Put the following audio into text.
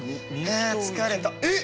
「あ疲れたえっ！」。